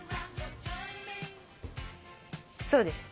そうです。